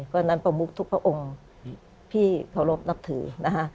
เพราะฉะนั้นประมุกทุกพระองค์พี่เคารพนับถือนะคะ